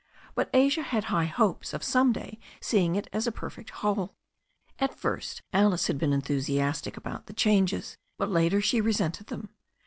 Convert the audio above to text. But Asia had high hopes of some day seeing it as a perfect whole. At first Alice had been enthusiastic about the changes, but later she resented them.